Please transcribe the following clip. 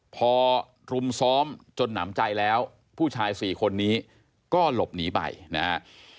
พอรุมซ้อมจนหนำใจแล้วผู้ชาย๔คนนี้ก็หลบหนีไปนะฮะ